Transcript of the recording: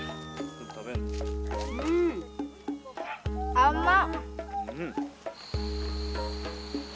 甘っ。